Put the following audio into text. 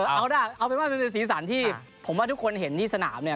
เอาได้เอาเป็นว่ามันเป็นสีสันที่ผมว่าทุกคนเห็นที่สนามเนี่ย